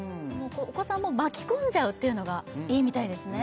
お子さんも巻き込んじゃうっていうのがいいみたいですね